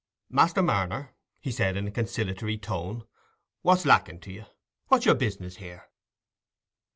"Master Marner," he said, in a conciliatory tone, "what's lacking to you? What's your business here?"